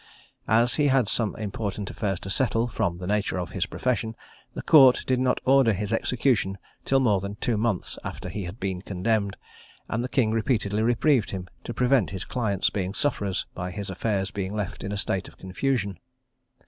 As he had some important affairs to settle, from the nature of his profession, the court did not order his execution till more than two months after he had been condemned; and the king repeatedly reprieved him, to prevent his clients being sufferers by his affairs being left in a state of confusion.